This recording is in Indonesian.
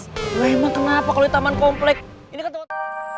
emang kenapa kalau ini taman kompleks